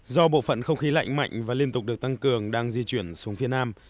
do bộ phận không khí lạnh mạnh và liên tục được tăng cường đang di chuyển xuống phía nam